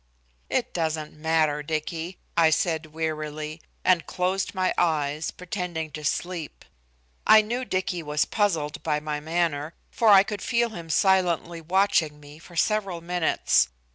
"It doesn't matter, Dicky," I said wearily, and closed my eyes, pretending to sleep. I knew Dicky was puzzled by my manner, for I could feel him silently watching me for several minutes.